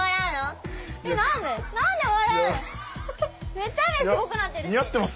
めっちゃ雨すごくなってるし。